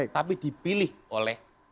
tapi dipilih oleh